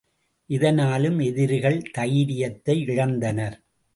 இதனாலும் எதிரிகள் தைரியத்தை இழந்தனர்.